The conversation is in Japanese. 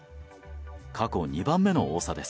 過去２番目の多さです。